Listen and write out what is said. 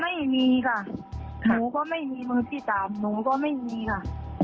ไม่มีค่ะหนูก็ไม่มีมือที่สามหนูก็ไม่มีค่ะ